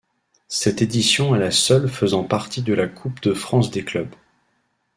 Cette édition est la seule faisant partie de la coupe de France des clubs.